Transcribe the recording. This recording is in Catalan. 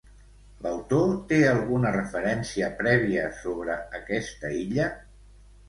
L'autor té alguna referència prèvia sobre aquesta illa?